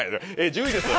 １０位です。